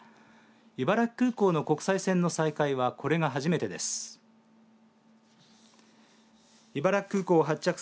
茨城空港の国際線の再開はこれが初めてです。